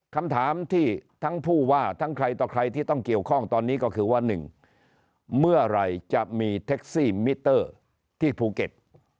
คำถามที่ทั้งผู้ว่าทั้งใครต่อใครที่ต้องเกี่ยวข้องตอนนี้ก็คือว่า๑เมื่อไหร่จะมีแท็กซี่มิเตอร์ที่ภูเก็ต